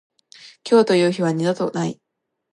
今日という日は二度とない。